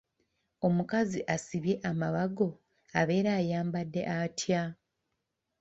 Omukazi asibye amabago abeera ayambadde atya?